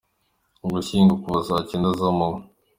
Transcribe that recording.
Ugushyingo kuva saa cyenda zamanywa